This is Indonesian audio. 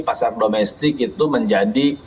pasar domestik itu menjadi